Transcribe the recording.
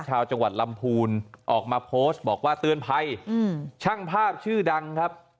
ชาวจังหวัดลำพูนออกมาโพสต์บอกว่าเตือนภัยช่างภาพชื่อดังครับ